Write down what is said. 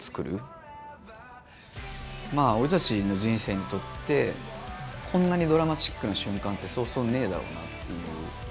まあ俺たちの人生にとってこんなにドラマチックな瞬間ってそうそうねえだろうなっていう。